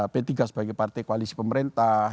p tiga sebagai partai koalisi pemerintah